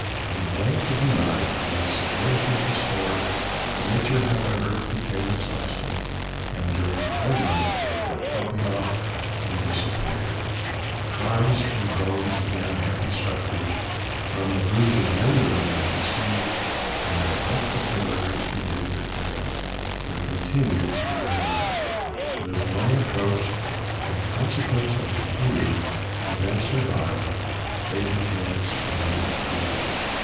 From the length of the night, and the severity of the storm, nature, however, became exhausted, and during the whole night they kept dropping off and disappeared. The cries and groans of the unhappy sufferers, from the bruises many of them had received, and their hopes of deliverance beginning to fail, were continued through the night, but as morning approached, in consequence of the few who then survived, they became extremely feeble.